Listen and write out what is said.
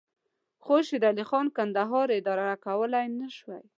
خو شېرعلي کندهار اداره کولای نه شوای.